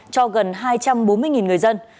cho gần hai trăm bốn mươi người dân